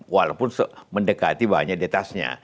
walaupun mendekati banyak detasnya